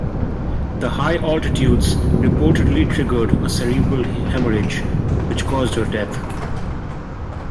The high altitudes reportedly triggered a cerebral hemorrhage, which caused her death.